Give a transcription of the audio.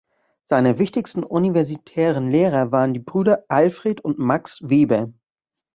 Seine wichtigsten universitären Lehrer waren die Brüder Alfred und Max Weber.